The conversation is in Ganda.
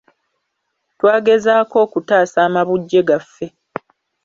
Twagezaako okutaasa amabujje gaffe.